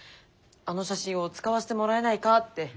あの写真を使わせてもらえないかって。